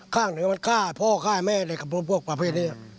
ข้างหนึ่งมันฆ่าพ่อแม่ศักรณ์พวกประเภทนี้